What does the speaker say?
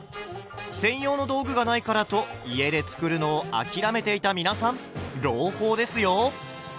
専用の道具がないからと家で作るのを諦めていた皆さん朗報ですよ！